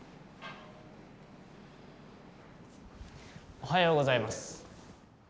おはようございます。